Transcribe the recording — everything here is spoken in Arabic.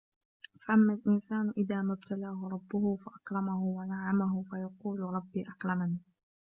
فَأَمَّا الْإِنْسَانُ إِذَا مَا ابْتَلَاهُ رَبُّهُ فَأَكْرَمَهُ وَنَعَّمَهُ فَيَقُولُ رَبِّي أَكْرَمَنِ